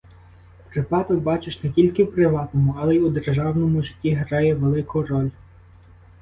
Припадок, бачиш, не тільки в приватному, але й у державному житті грає велику роль.